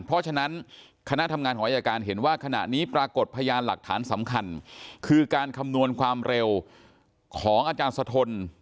เพราะฉะนั้นคณะทำงานของอายการเห็นว่าขณะนี้ปรากฏพยานหลักฐานสำคัญคือการคำนวณความเร็วของอาจารย์สะทน